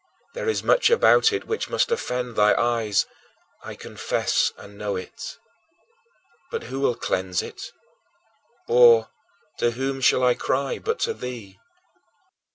There is much about it which must offend thy eyes; I confess and know it. But who will cleanse it? Or, to whom shall I cry but to thee?